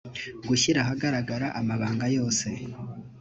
gushyira ahagaragara amabanga yose